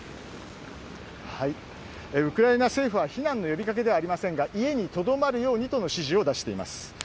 ウクライナ政府は避難の呼びかけではありませんが家にとどまるようにとの指示を出しています。